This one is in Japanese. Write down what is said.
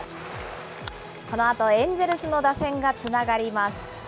このあとエンジェルスの打線がつながります。